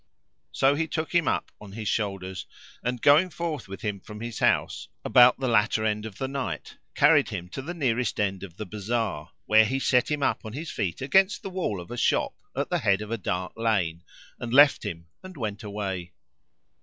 So he took him up on his shoulders and, going forth with him from his house about the latter end of the night, carried him to the nearest end of the bazar, where he set him up on his feet against the wall of a shop at the head of a dark lane, and left him and went away.